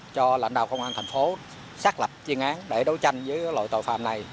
cho lãnh đạo công an thành phố xác lập chuyên án để đấu tranh với loại tội phạm này